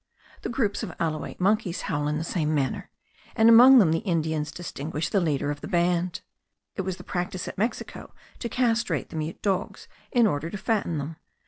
The groups of alouate monkeys howl in the same manner, and among them the Indians distinguish the leader of the band. It was the practice at Mexico to castrate the mute dogs in order to fatten them.